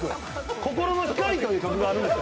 「心の光」という曲があるんです。